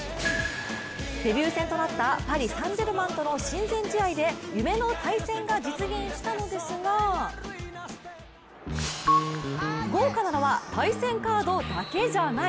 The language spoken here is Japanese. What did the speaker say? デビュー戦となったパリ・サン＝ジェルマンとの親善試合で夢の対戦が実現したのですが豪華なのは対戦カードだけじゃない！